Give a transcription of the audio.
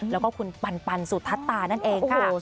แล้วก็คุณปันสุทัศตานั่นเองค่ะ